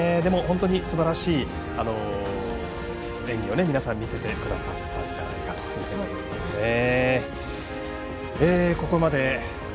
本当にすばらしい演技を皆さん見せてくださったんじゃないかと思いますね。